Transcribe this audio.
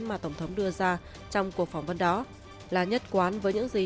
mà tổng thống đưa ra trong cuộc phỏng vấn đó là nhất quán với những gì